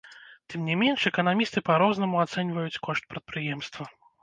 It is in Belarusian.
Тым не менш, эканамісты па-рознаму ацэньваюць кошт прадпрыемства.